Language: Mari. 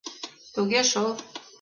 Туге шол...